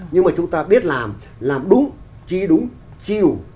nhưng mà chúng ta biết làm làm đúng chi đúng chi đủ